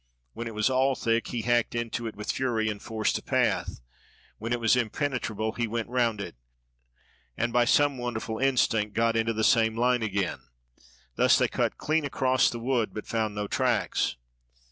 When it was all thick, he hacked into it with fury and forced a path. When it was impenetrable he went round it, and by some wonderful instinct got into the same line again. Thus they cut clean across the wood but found no tracks.